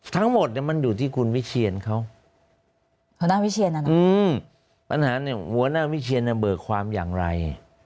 ทั้งหมดมันอยู่ที่คุณวิเชียนเขาหัวหน้าวิเชียนนะนะปัญหาเนี่ยหัวหน้าวิเชียนเบิกความอย่างไร